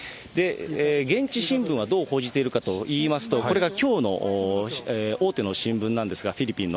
現地新聞はどう報じているかといいますと、これがきょうの大手の新聞なんですが、フィリピンの。